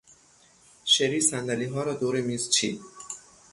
شری صندلیها را دور میز چید.